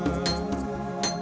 kujang pusaka kehormatan tanah